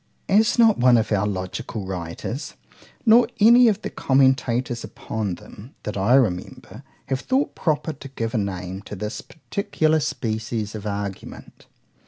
As not one of our logical writers, nor any of the commentators upon them, that I remember, have thought proper to give a name to this particular species of argument.